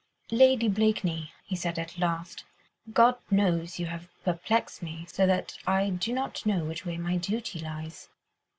. "Lady Blakeney," he said at last, "God knows you have perplexed me, so that I do not know which way my duty lies.